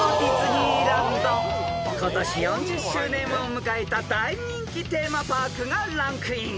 ［今年４０周年を迎えた大人気テーマパークがランクイン］